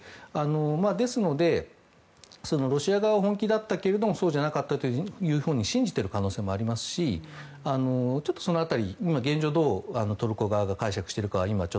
ですので、ロシア側は本気だったけれどもそうじゃなかったというふうに信じている可能性もありますしちょっとその辺り